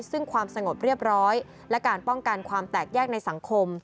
ซึ่งความสงบเรียบร้อยและการป้องกันความแตกแยกในสังคม